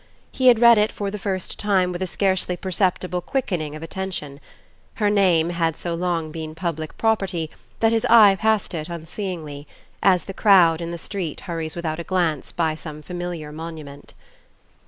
He had read it for the first time with a scarcely perceptible quickening of attention: her name had so long been public property that his eye passed it unseeingly, as the crowd in the street hurries without a glance by some familiar monument.